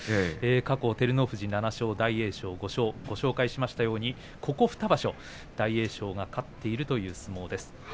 過去照ノ富士の７勝大栄翔の５勝ここ２場所、大栄翔が勝っているという相撲です。